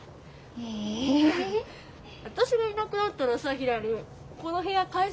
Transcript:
私がいなくなったらさひらりこの部屋改装すれば？